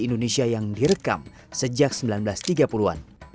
indonesia yang direkam sejak seribu sembilan ratus tiga puluh an